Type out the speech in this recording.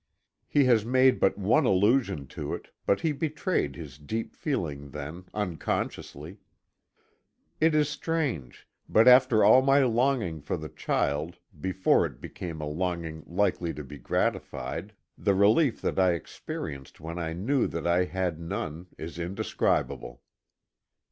He has made but one allusion to it, but he betrayed his deep feeling then, unconsciously. It is strange; but after all my longing for the child, before it became a longing likely to be gratified, the relief that I experienced when I knew that I had none is indescribable.